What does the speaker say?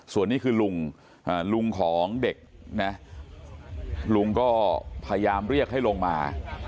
ส่วนนี้คือลุงลุงของเด็กนะลุงก็พยายามเรียกให้ลงมา